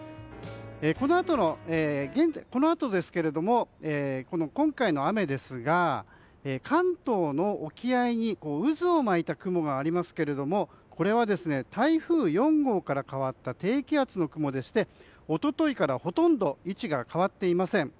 このあとなんですけれども今回の雨ですが関東の沖合に渦を巻いた雲がありますけれどもこれは台風４号から変わった低気圧の雲でして一昨日からほとんど位置が変わっていません。